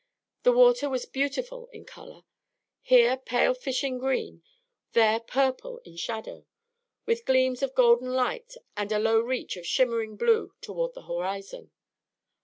The water was beautiful in color, here pale flashing green, there purple in the shadow, with gleams of golden light and a low reach of shimmering blue toward the horizon.